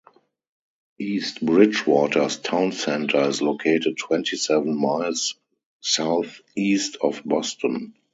East Bridgewater's town center is located twenty-seven miles southeast of Boston.